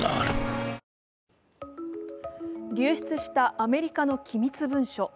流出したアメリカの機密文書。